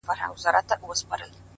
هغه ورځ په واک کي زما زړه نه وي!!